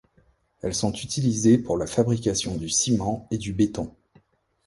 Elles sont utilisées pour la fabrication du ciment et du béton.